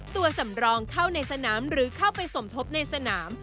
ตัวสำรองเข้าในสนามหรือเข้าไปสมทบในสนาม